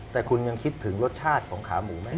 แต่คุณยังคิดถึงรสชาติของขาหมูไหม